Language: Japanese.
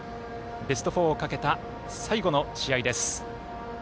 ベスト４をかけた最後の試合です。